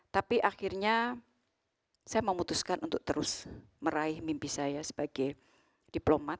tapi akhirnya saya memutuskan untuk terus meraih mimpi saya sebagai diplomat